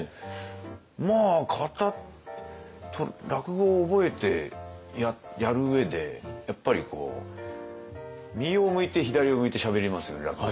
まあ型落語を覚えてやる上でやっぱり右を向いて左を向いてしゃべりますよね落語って。